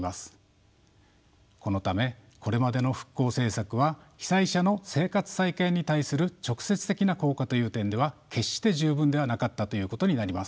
このためこれまでの復興政策は被災者の生活再建に対する直接的な効果という点では決して十分ではなかったということになります。